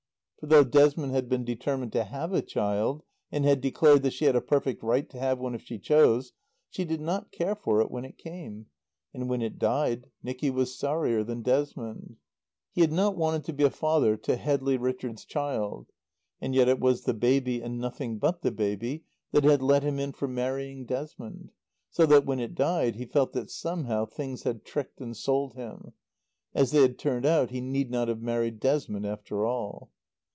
For though Desmond had been determined to have a child, and had declared that she had a perfect right to have one if she chose, she did not care for it when it came. And when it died Nicky was sorrier than Desmond. He had not wanted to be a father to Headley Richards' child. And yet it was the baby and nothing but the baby that had let him in for marrying Desmond. So that, when it died, he felt that somehow things had tricked and sold him. As they had turned out he need not have married Desmond after all.